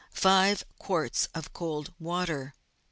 5 quarts of cold water.